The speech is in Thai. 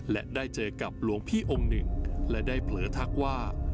และได้เจอกับหลวงพี่องค์หนึ่งและได้เผลอทักว่า